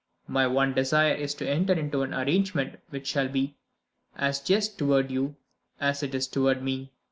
My one desire is to enter into an arrangement which shall be as just toward you, as it is toward me.